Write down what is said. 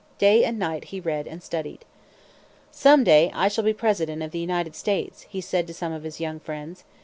Day and night he read and studied. "Some day I shall be President of the United States," he said to some of his young friends.